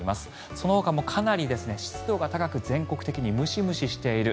そのほかもかなり湿度が高く全国的にムシムシしている。